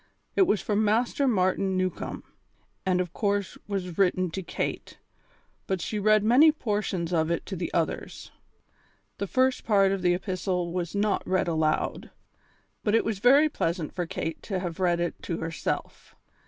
It was from Master Martin Newcombe, and of course was written to Kate, but she read many portions of it to the others. The first part of the epistle was not read aloud, but it was very pleasant for Kate to read it to herself.